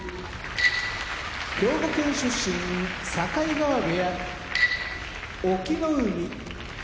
兵庫県出身境川部屋隠岐の海